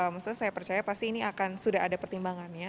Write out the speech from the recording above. maksudnya saya percaya pasti ini akan sudah ada pertimbangannya